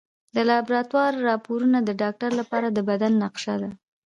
د لابراتوار راپورونه د ډاکټر لپاره د بدن نقشه ده.